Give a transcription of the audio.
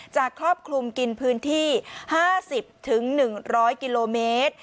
ครอบคลุมกินพื้นที่๕๐๑๐๐กิโลเมตร